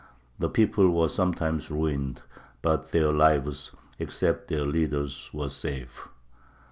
The people were sometimes ruined; but their lives, except their leader's, were safe.